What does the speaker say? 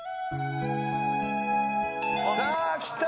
さあきた。